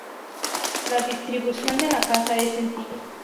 La distribución de la casa es sencilla.